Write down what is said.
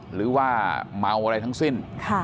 หรือว่าเมาอะไรทั้งสิ้น